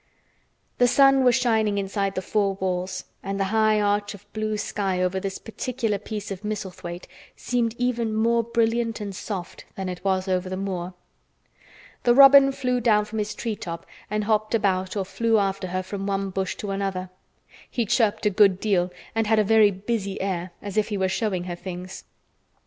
The sun was shining inside the four walls and the high arch of blue sky over this particular piece of Misselthwaite seemed even more brilliant and soft than it was over the moor. The robin flew down from his tree top and hopped about or flew after her from one bush to another. He chirped a good deal and had a very busy air, as if he were showing her things.